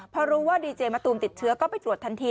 พอรู้ว่าดีเจมะตูมติดเชื้อก็ไปตรวจทันที